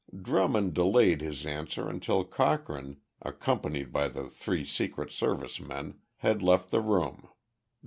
Drummond delayed his answer until Cochrane, accompanied by the three Secret Service men, had left the room.